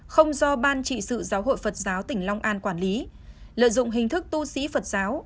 không do ban trị sự giáo hội phật giáo tỉnh long an quản lý lợi dụng hình thức tu sĩ phật giáo